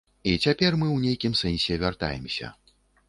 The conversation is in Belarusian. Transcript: І цяпер мы ў нейкім сэнсе вяртаемся.